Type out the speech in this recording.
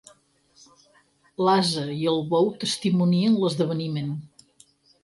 L'ase i el bou testimonien l'esdeveniment.